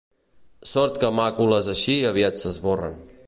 Sort que màcules així aviat s'esborren.